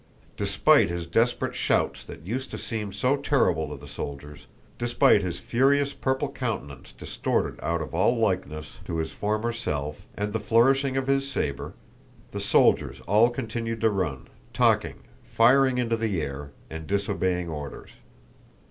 Despite his desperate shouts that used to seem so terrible to the soldiers, despite his furious purple countenance distorted out of all likeness to his former self, and the flourishing of his saber, the soldiers all continued to run, talking, firing into the air, and disobeying orders.